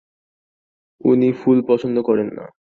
উনি ফুল পছন্দ করেন না?